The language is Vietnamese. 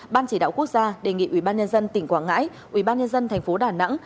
ban chỉ đạo quốc gia đề nghị ubnd tỉnh quảng ngãi ubnd thành phố đà nẵng